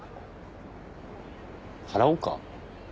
払おうか？